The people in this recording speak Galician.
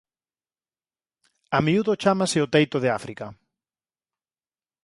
A miúdo chámase o "teito de África".